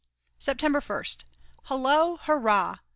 September 1st. Hullo, Hurrah!